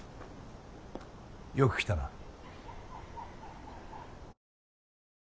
よく来たな。